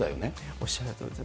おっしゃるとおりで。